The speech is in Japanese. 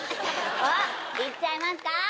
おっいっちゃいますか？